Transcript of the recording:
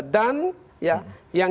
dan ya yang